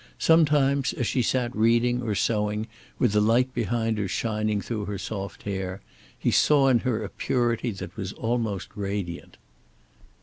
Sometimes, as she sat reading or sewing, with the light behind her shining through her soft hair, he saw in her a purity that was almost radiant.